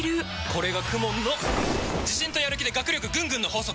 これがＫＵＭＯＮの自信とやる気で学力ぐんぐんの法則！